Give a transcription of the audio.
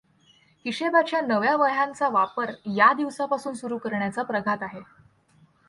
हिशेबाच्या नव्या वह्यांचा वापर या दिवसापासून सुरु करण्याचा प्रघात आहे.